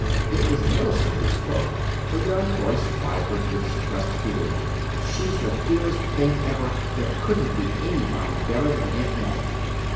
It was Mellicent who spoke, her young voice vibrant with suppressed feeling. "She's the dearest thing ever! There couldn't be anybody better than Aunt Maggie!"